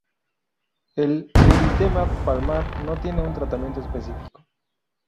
El eritema palmar no tiene un tratamiento específico.